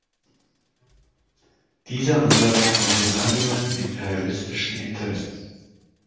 Dieser Ansatz dient den allgemeinen imperialistischen Interessen.